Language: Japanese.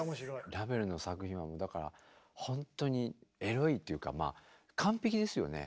ラヴェルの作品はだからほんとにエロいっていうかまあ完璧ですよね。